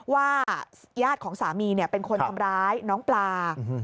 ญาติของสามีเป็นคนทำร้ายน้องปลา